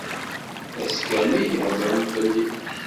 Ass kamel heddren fell-i.